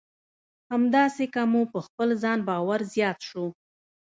همداسې که مو په خپل ځان باور زیات شو.